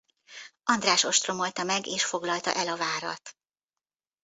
András ostromolta meg és foglalta el a várat.